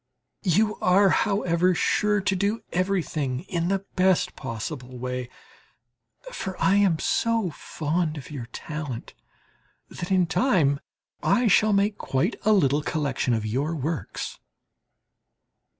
You are, however, sure to do everything in the best possible way; for I am so fond of your talent that in time I shall make quite a little collection of your works.